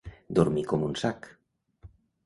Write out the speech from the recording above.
Dormir com un sac.